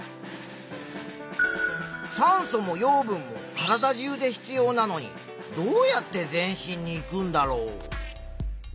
酸素も養分も体中で必要なのにどうやって全身にいくんだろう？